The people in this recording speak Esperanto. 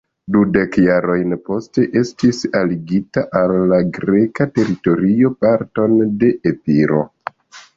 Dudek jarojn poste, estis aligita al la greka teritorio parton de Epiro.